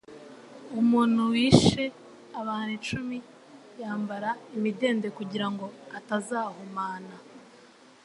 Umuntu wishe abantu icumi yambara imidende kugirango atazahumana